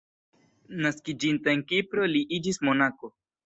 Naskiĝinta en Kipro li iĝis monako.